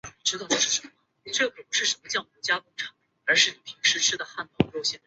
曾任恒生银行副董事长兼行政总裁及汇丰银行总经理兼工商业务环球联席主管。